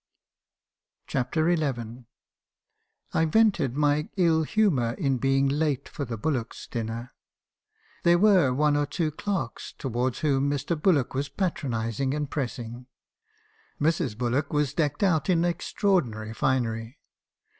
CHAPTER XI. "I vented my ill humour in being late for the Bullocks' dinner. There were one or two clerks, towards whom Mr. Bul lock was patronising and pressing. Mrs. Bullock was decked out in extraordinary finery.